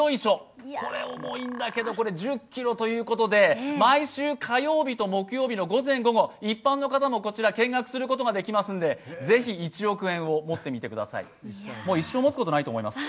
これ、重いんだけど１０ｋｇということで、毎週火曜日と木曜日の午前午後一般の方もこちら、見学することができますので、是非１億円持つことができます。